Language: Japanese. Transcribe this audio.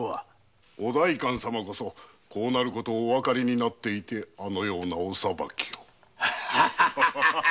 お代官様こそこうなることがおわかりになっていてあのようなお裁きを。